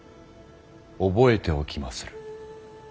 覚えておきまする。